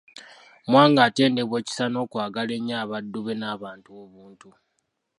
Mwanga atendebwa ekisa n'okwagala ennyo abaddu be n'abantu obuntu.